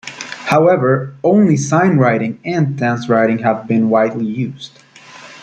However, only SignWriting and DanceWriting have been widely used.